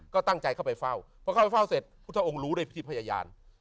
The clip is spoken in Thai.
ก็ตั้งใจเข้าไปเฝ้าพอเข้าไปเฝ้าเสร็จพุทธองค์รู้ด้วยพิธีพยาน